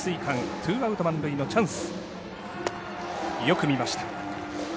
ツーアウト、満塁のチャンス。